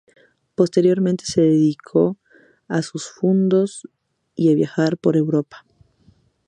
Posteriormente se dedicó a sus fundos y a viajar por Europa.